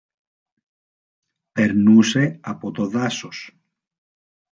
Περνούσε από το δάσος.